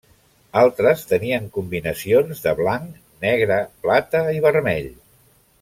Altres tenien combinacions de blanc, negre, plata i vermell.